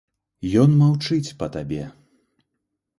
Ён маўчыць па табе.